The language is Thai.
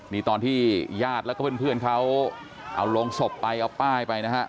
นี่ตอนที่ญาติแล้วก็เพื่อนเขาเอาโรงศพไปเอาป้ายไปนะฮะ